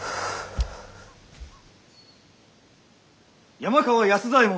・山川安左衛門